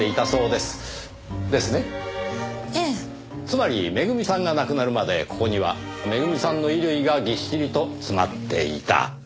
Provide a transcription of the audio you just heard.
つまりめぐみさんが亡くなるまでここにはめぐみさんの衣類がぎっしりと詰まっていた。